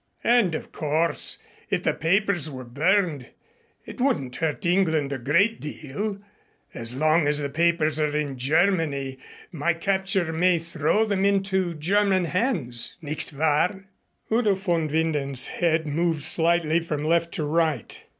And of course if the papers were burned, it wouldn't hurt England a great deal. As long as the papers are in Germany, my capture may throw them into German hands, nicht wahr?" Udo von Winden's head moved slightly from left to right.